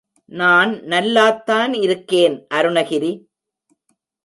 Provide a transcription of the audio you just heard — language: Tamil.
நான் நல்லாத்தான் இருக்கேன் அருணகிரி.